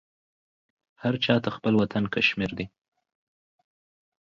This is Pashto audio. هر چاته خپل وطن کشمير دى.